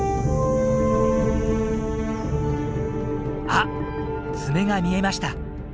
あっ爪が見えました。